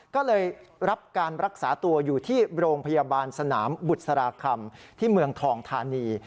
ก็เลยรับการรักษาตัวอยู่ที่โรงพยาบาลสนามบุษราคำที่เมืองทองธานี